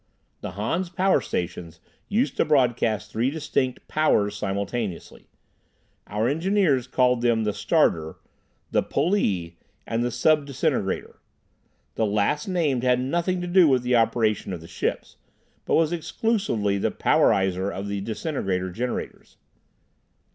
The Hans' power stations used to broadcast three distinct "powers" simultaneously. Our engineers called them the "starter," the "pullee" and the "sub disintegrator." The last named had nothing to do with the operation of the ships, but was exclusively the powerizer of the disintegrator generators.